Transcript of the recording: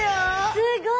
鱗すごい。